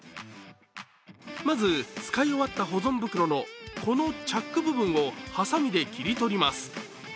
まず、使い終わった保存袋のこのチャック部分をはさみで切り取ります。